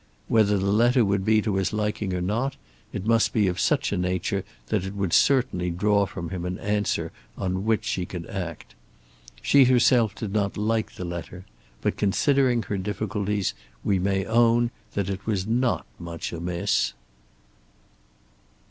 Whether the letter would be to his liking or not, it must be of such a nature that it would certainly draw from him an answer on which she could act. She herself did not like the letter; but, considering her difficulties, we may own that it was not much amiss.